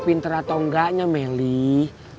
pinter atau enggaknya melih